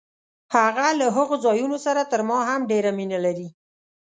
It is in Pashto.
هغه له هغو ځایونو سره تر ما هم ډېره مینه لري.